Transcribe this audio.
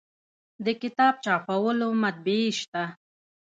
د کتاب چاپولو مطبعې شته